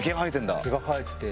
毛が生えてて。